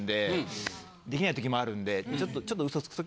できない時もあるんで。